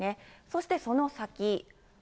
そしてその先。